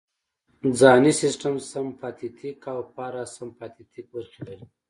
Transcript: ځانی سیستم سمپاتیتیک او پاراسمپاتیتیک برخې لري